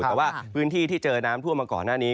แต่ว่าพื้นที่ที่เจอน้ำท่วมมาก่อนหน้านี้